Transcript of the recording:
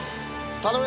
頼む。